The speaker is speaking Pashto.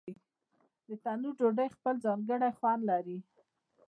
د تنور ډوډۍ خپل ځانګړی خوند لري.